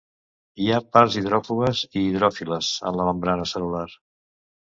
Hi ha parts hidròfobes i hidròfiles en la membrana cel·lular.